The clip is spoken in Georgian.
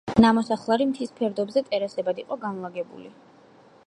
ნამოსახლარი მთის ფერდობზე ტერასებად იყო განლაგებული.